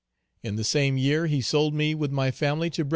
In the same year he sold me with my family to "Bro."